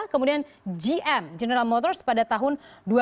kemudian gm pada tahun dua ribu sepuluh